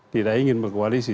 tidak ingin berkoalisi